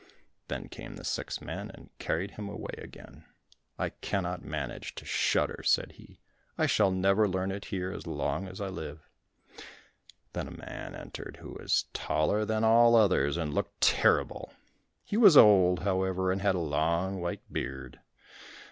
Then came the six men and carried him away again. "I cannot manage to shudder," said he. "I shall never learn it here as long as I live." Then a man entered who was taller than all others, and looked terrible. He was old, however, and had a long white beard.